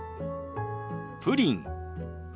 プリン。